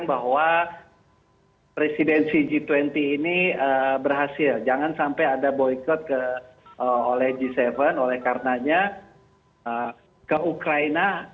jadi berputar semua informasi